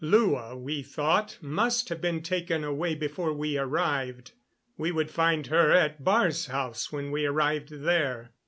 Lua, we thought, must have been taken away before we arrived; we would find her at Baar's house when we arrived there.